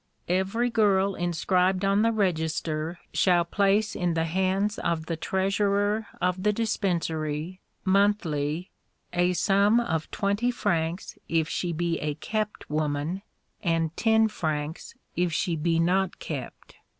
"Every girl inscribed on the register shall place in the hands of the treasurer of the Dispensary, monthly, a sum of twenty francs if she be a kept woman, and ten francs if she be not kept.